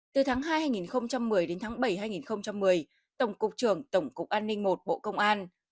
từ tháng hai một mươi đến tháng bảy một mươi tổng cục trưởng tổng cục an ninh i bộ công an